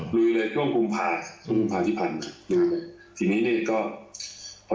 ค่ะทีนี้นี่ก็อบช่วงที่ต้องฝั่งตัวอ่อนก็อย่างที่บอกเกิดไปว่ามันต้องมีการลุ้น